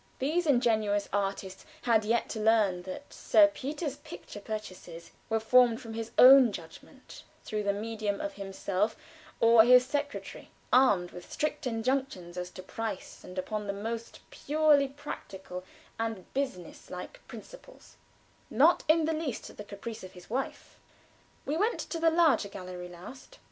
These ingenuous artists had yet to learn that Sir Peter's picture purchases were formed from his own judgment, through the medium of himself or his secretary, armed with strict injunctions as to price, and upon the most purely practical and business like principles not in the least at the caprice of his wife. We went to the larger gallery last.